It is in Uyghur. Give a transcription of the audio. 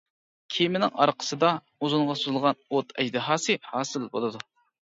كېمىنىڭ ئارقىسىدا ئۇزۇنىغا سوزۇلغان «ئوت ئەجدىھاسى» ھاسىل بولىدۇ.